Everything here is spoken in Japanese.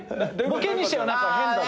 「ボケにしては何か変だぞ」